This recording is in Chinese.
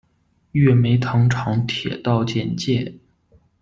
月眉糖厂铁道简介